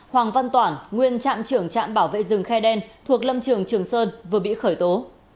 hoàng văn toản nguyên trạm trưởng trạm bảo vệ rừng khai đen thuộc lâm trường trường sơn vừa bị khởi tố